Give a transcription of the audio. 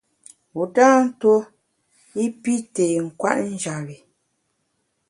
Wu tâ ntuo i pi tê nkwet njap bi.